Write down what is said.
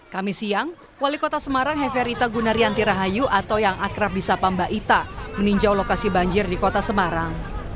kami siang wali kota semarang heferita gunaryanti rahayu atau yang akrab di sapa mbak ita meninjau lokasi banjir di kota semarang